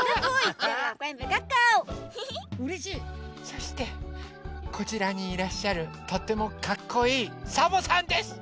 そしてこちらにいらっしゃるとってもかっこいいサボさんです！